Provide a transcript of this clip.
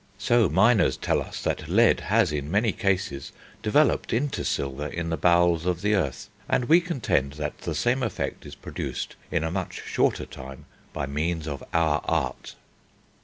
So miners tell us that lead has in many cases developed into silver in the bowels of the earth, and we contend that the same effect is produced in a much shorter time by means of our Art."